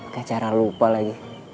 gak cairan lupa lagi